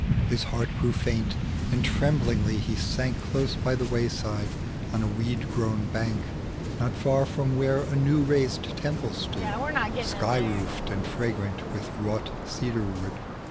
His heart grew faint, and tremblingly he sank Close by the wayside on a weed grown bank. Not far IVom where a new raised temple stood, Sky roofed, and fragi ant with wrought cedar wood.